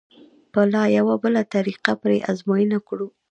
به لا یوه بله طریقه پرې ازموینه کړو.